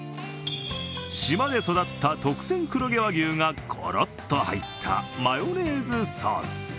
島で育った特選黒毛和牛がごろっと入ったマヨネーズソース。